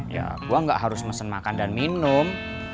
ya gue gak harus mesen makan dan minum